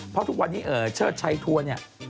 เพราะทุกวันนี้เชิดชัยทัวร์เนี่ย